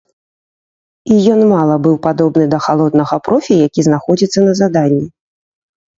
І ён мала быў падобны да халоднага профі, які знаходзіцца на заданні.